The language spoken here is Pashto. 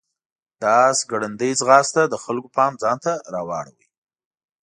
د آس ګړندی ځغاست د خلکو پام ځان ته راواړاوه.